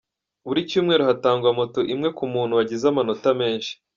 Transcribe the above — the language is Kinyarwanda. Buri cyumweru hatangwa Moto imwe ku muntu wagize amanota menshi.